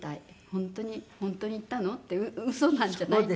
本当に本当に逝ったの？って嘘なんじゃない？って